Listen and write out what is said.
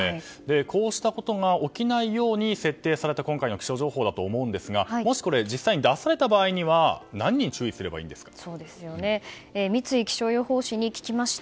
こうしたことが起きないように設定された今回の気象情報だと思うんですが実際に出された場合には三井気象予報士に聞きました。